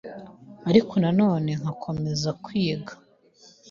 ariko na none nkakomeza kwiga.